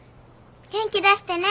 元気出してね。